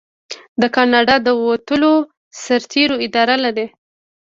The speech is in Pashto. کاناډا د وتلو سرتیرو اداره لري.